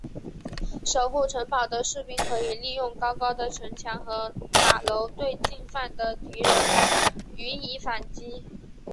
守护城堡的士兵可以利用高高的城墙和塔楼对进犯的敌人予以反击。